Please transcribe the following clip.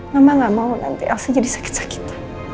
mama gak mau nanti aksa jadi sakit sakit